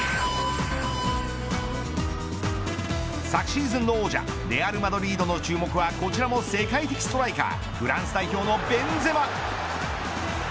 昨シーズンの王者レアルマドリードの注目はこちらも世界的ストライカーフランス代表のベンゼマ。